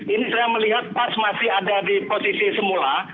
ini saya melihat pas masih ada di posisi semula